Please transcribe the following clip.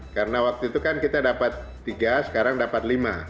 karena waktu itu kan kita dapat tiga sekarang dapat lima